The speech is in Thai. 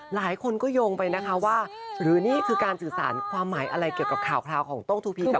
หลายคนก็โยงไปนะคะว่าหรือนี่คือการสื่อสารความหมายอะไรเกี่ยวกับข่าวของโต้งทูพีกับ